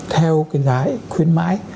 theo cái giá khuyến mãi